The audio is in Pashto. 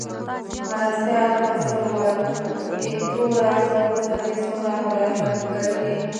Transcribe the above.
مرستیال کونسل وویل: ایټوره، تر اوسه دې څومره مډالونه ګټلي؟